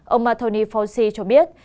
ông anthony fauci cho biết